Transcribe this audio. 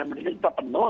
menurut saya kita penuh